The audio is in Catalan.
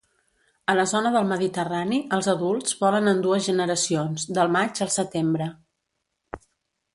A la zona del Mediterrani, els adults volen en dues generacions, del maig al setembre.